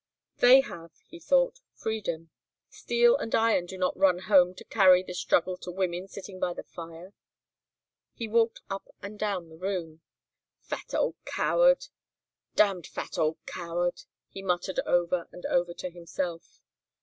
"They have," he thought, "freedom. Steel and iron do not run home to carry the struggle to women sitting by the fire." He walked up and down the room. "Fat old coward. Damned fat old coward," he muttered over and over to himself.